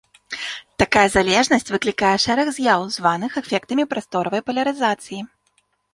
Такая залежнасць выклікае шэраг з'яў, званых эфектамі прасторавай палярызацыі.